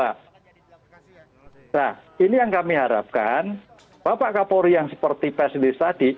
nah ini yang kami harapkan bapak kapolri yang seperti pak silis tadi